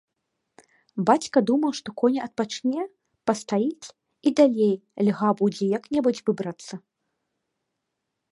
Бацька думаў, што конь адпачне, пастаіць і далей льга будзе як-небудзь выбрацца.